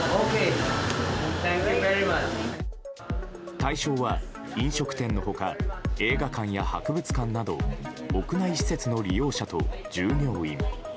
対象は飲食店の他映画館や博物館など屋内施設の利用者と従業員。